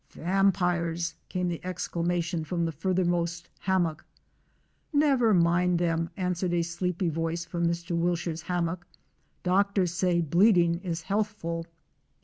"Vampires!" came the exclamation from d the furthermost hammock. ''Never mind them," answered a sleepy voice from Mr. Wilshire's hammock; "doctors say bleeding is healthful!